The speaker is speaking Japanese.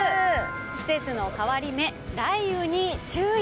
季節の変わり目、雷雨に注意。